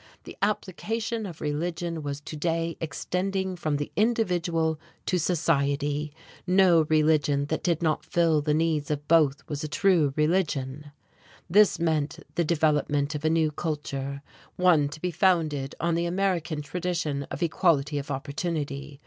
The application of religion was to day extending from the individual to society. No religion that did not fill the needs of both was a true religion. This meant the development of a new culture, one to be founded on the American tradition of equality of opportunity.